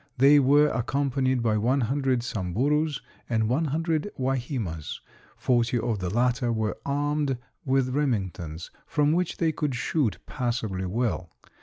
They were accompanied by one hundred Samburus and one hundred Wahimas forty of the latter were armed with Remingtons from which they could shoot passably well.